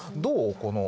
この。